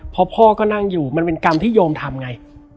พอพ่อก็นั่งอยู่มันเป็นกรรมที่โยมทำไง